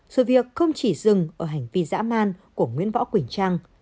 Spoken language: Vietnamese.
sự việc không chỉ dừng ở hành vi dã man của nguyễn võ quỳnh trang